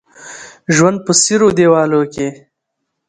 ژوند په څيرو دېوالو کې